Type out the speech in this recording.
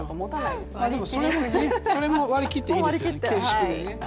でもそれも割り切っていいですよね。